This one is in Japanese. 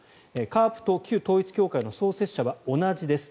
カープと旧統一教会の創設者は同じです。